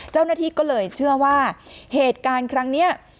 เจ้าหน้าที่ก็เลยเชื่อว่าเหตุการณ์ครั้งนี้